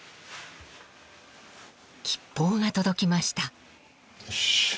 吉報が届きました。